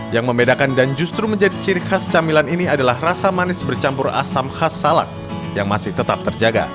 yang membedakan dan justru menjadi ciri khas camilan ini adalah rasa manis bercampur asam khas salak yang masih tetap terjaga